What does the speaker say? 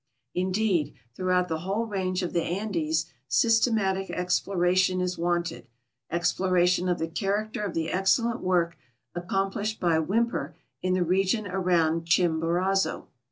Indeed, throughout the whole range of the Andes systematic exploration is wanted, exjiloration of the character of the excellent work accomplished by Whymper in the region around Chimborazo.